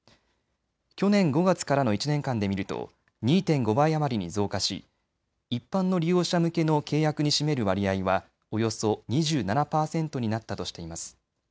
去年５月からの１年間で見ると２．５倍余りに増加し一般の利用者向けの契約に占める割合はおよそ２７％になったとしています。